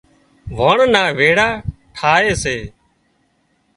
واڻ نا ويڙا ٺاهي سي